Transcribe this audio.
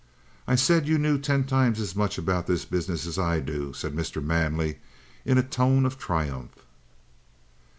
"I said you knew ten times as much about the business as I do," said Mr. Manley in a tone of triumph.